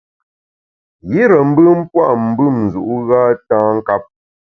Yire mbùm pua’ mbùm nzu’ gha tâ nkap.